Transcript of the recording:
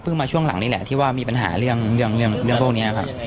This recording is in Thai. มาช่วงหลังนี่แหละที่ว่ามีปัญหาเรื่องพวกนี้ครับ